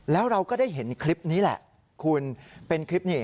แล้วเราก็ได้เห็นคลิปนี้แหละคุณเป็นคลิปนี้